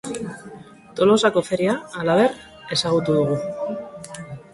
Tolosako feria, halaber, ezagutu dugu.